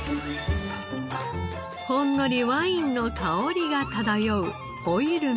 ほんのりワインの香りが漂うホイル蒸し。